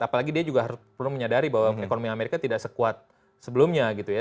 apalagi dia juga perlu menyadari bahwa ekonomi amerika tidak sekuat sebelumnya gitu ya